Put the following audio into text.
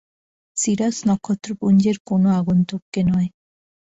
Serous নক্ষত্রপুঞ্জের কোনো আগন্তুককে নয়।